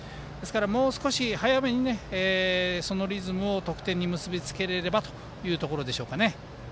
もう少し早めにそのリズムを得点に結び付けられればというところでしょうか。